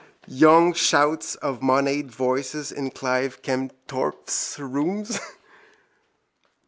Young shouts of moneyed voices in Clive Kempthorpe's rooms.